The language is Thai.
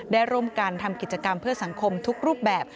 ได้ร่วมกันทำกิจกรรมเพื่อสังคมทุกรูปแบบ